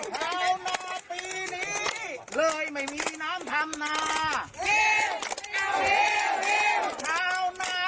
อธิบายปล่อยฝนตกลงมา